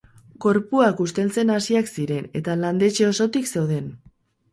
Gorpuak usteltzen hasiak ziren, eta landetxe osotik zeuden.